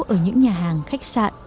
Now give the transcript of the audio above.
ở những nhà hàng khách sạn